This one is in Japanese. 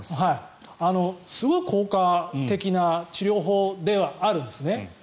すごい効果的な治療法ではあるんですね。